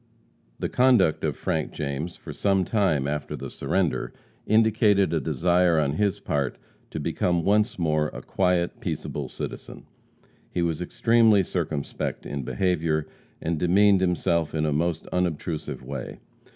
The conduct of Frank James for some time after the surrender indicated a desire on his part to become once more a quiet, peaceable citizen. He was extremely circumspect in behavior, and demeaned himself in a most unobtrusive way.